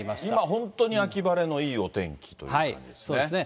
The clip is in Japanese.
今本当に秋晴れのいいお天気という感じですね。